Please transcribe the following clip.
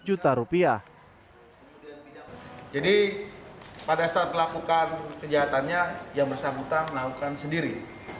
jadi pada saat melakukan kejahatannya yang bersahabutang melakukan sendiri